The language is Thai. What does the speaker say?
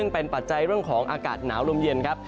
เป็นปัจจัยเรื่องของอากาศหนาวลมเย็นครับ